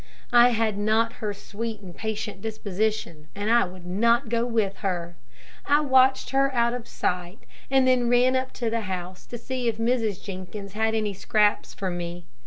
I had not her sweet and patient disposition, and I would not go with her. I watched her out of sight, and then ran up to the house to see if Mrs. Jenkins had any scraps for me.